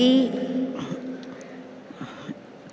hadirin dan hadirat yang tidak bisa